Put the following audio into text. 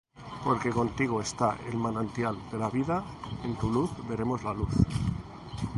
Porque contigo está el manantial de la vida: En tu luz veremos la luz.